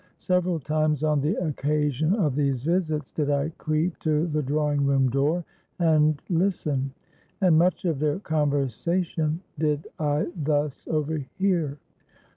Several times, on the occasion of these visits, did I creep to the drawing room door, and listen; and much of their conversation did I thus overhear.